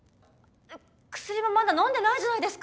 薬もまだ飲んでないじゃないですか。